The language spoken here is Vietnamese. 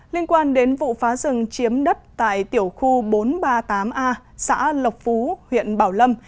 liên quan đến vụ phá rừng chiếm đất tại tiểu khu bốn trăm ba mươi tám a xã lộc phú huyện bảo lâm